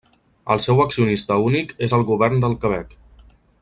El seu accionista únic és el govern del Quebec.